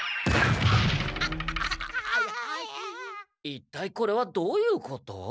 一体これはどういうこと？